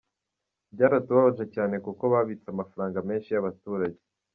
Byaratubabaje cyane kuko babitse amafaranga menshi y’abaturage.